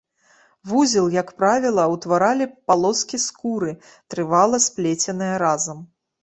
Вузел, як правіла, утваралі палоскі скуры, трывала сплеценыя разам.